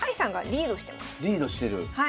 リードしてる。